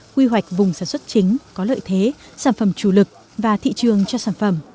quy hoạch vùng sản xuất chính có lợi thế sản phẩm chủ lực và thị trường cho sản phẩm